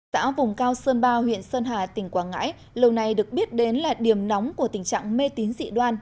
xã vùng cao sơn ba huyện sơn hà tỉnh quảng ngãi lâu nay được biết đến là điểm nóng của tình trạng mê tín dị đoan